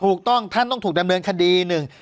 ถูกต้องท่านต้องถูกดำเนินคดีหนึ่ง